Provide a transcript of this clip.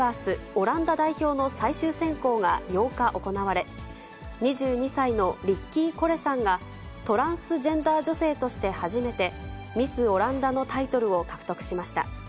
オランダ代表の最終選考が８日、行われ、２２歳のリッキー・コレさんが、トランスジェンダー女性として初めて、ミス・オランダのタイトルを獲得しました。